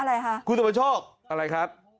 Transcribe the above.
อะไรคะคุณสุประโชคอะไรครับ